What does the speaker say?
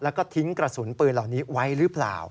แล้วก็ทิ้งกระสุนปืนเหล่านี้ไว้หรือเปล่า